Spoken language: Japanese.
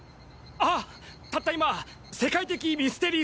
あったった今世界的ミステリー